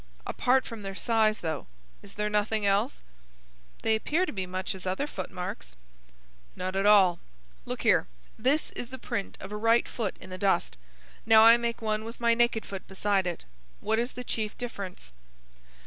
"Apart from their size, though. Is there nothing else?" "They appear to be much as other footmarks." "Not at all. Look here! This is the print of a right foot in the dust. Now I make one with my naked foot beside it. What is the chief difference?"